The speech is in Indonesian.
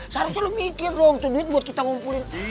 seharusnya lo mikir dong tuh duit buat kita ngumpulin